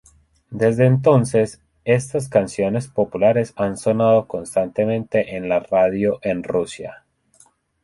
Desde entonces, estas canciones populares han sonado constantemente en la radio en Rusia.